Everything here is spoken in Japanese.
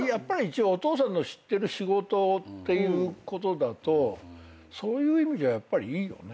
お父さんの知ってる仕事っていうことだとそういう意味じゃやっぱりいいよね。